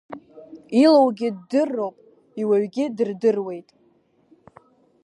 Илоугьы ддыруп, иуаҩугьы дырдыруеит.